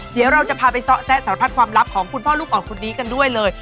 เดี๋ยวเราจะพาไปซะสารพัดความลับของคุณพ่อลูกอ่อนคนนี้กันด้วยเลย